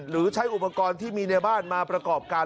หรือใช้อุปกรณ์ที่มีในบ้านมาประกอบการ